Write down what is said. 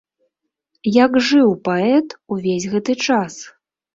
Як жыў паэт увесь гэты час?